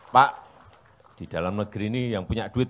pak di dalam negeri ini yang punya duit